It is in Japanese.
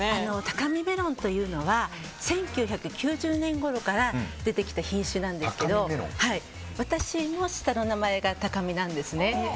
タカミメロンというのは１９９０年ごろから出てきた品種なんですけど私も下の名前が貴美なんですね。